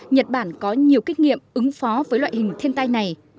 nhật bản có nhiều kinh nghiệm ứng phó với loại hình thiên tai này